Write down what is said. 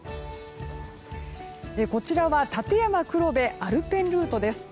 こちらは立山黒部アルペンルートです。